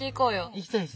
行きたいです。